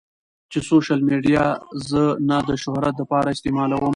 چې سوشل ميډيا زۀ نۀ د شهرت د پاره استعمالووم